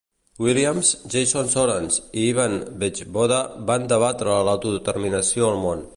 Williams, Jason Sorens i Ivan Vejvoda van debatre l'autodeterminació al món.